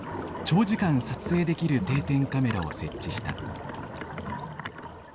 長時間撮影できる定点カメラを設置した。